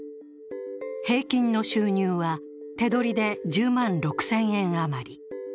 平均の収入は手取りで１０万６０００円余り。